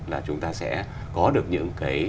là chúng ta sẽ có được những cái